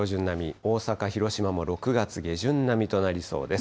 大阪、広島も６月下旬並みとなりそうです。